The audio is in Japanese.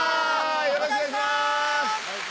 よろしくお願いします。